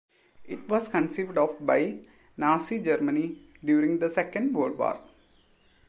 It was conceived of by Nazi Germany during the Second World War.